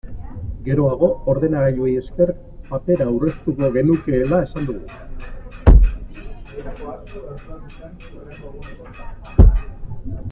Geroago, ordenagailuei esker, papera aurreztuko genukeela esan dugu.